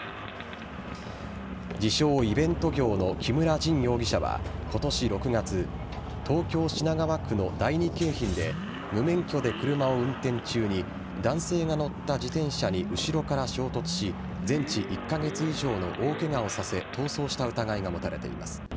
自称・イベント業の木村仁容疑者は今年６月東京・品川区の第二京浜で無免許で車を運転中に男性が乗った自転車に後ろから衝突し全治１カ月以上の大ケガをさせ逃走した疑いが持たれています。